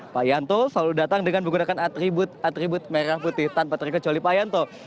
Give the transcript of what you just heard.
pak yanto selalu datang dengan menggunakan atribut atribut merah putih tanpa terkecuali pak yanto